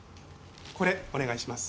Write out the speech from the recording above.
これお願いします。